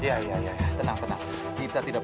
tidak ada lagi yang saya modern